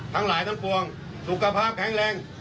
ทั้งหลายทั้งปวงสุขภาพแข็งแรง